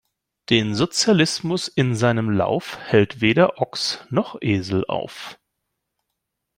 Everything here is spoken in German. Den Sozialismus in seinem Lauf, hält weder Ochs' noch Esel auf!